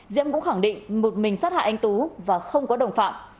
diễm cũng khẳng định một mình sát hại anh tú và không có đồng phạm